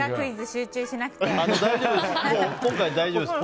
今回、大丈夫です。